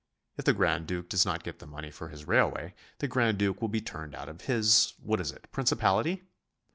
If the grand duke does not get the money for his railway, the grand duke will be turned out of his what is it principality?